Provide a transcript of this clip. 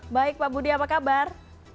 baik pak budi apa kabar